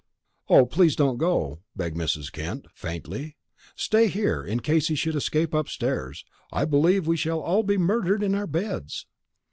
"Oh, please don't go!" begged Mrs. Kent, faintly. "Stay here, in case he should escape upstairs. I believe we shall all be murdered in our beds!"